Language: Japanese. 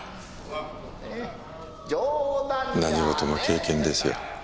何事も経験ですよ。